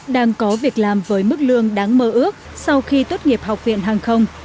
đang có việc làm với mức lương đáng mơ ước sau khi tốt nghiệp học viện hàng không